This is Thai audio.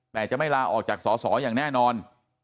แต่จะไม่ลาออกจากสอสออย่างแน่นอน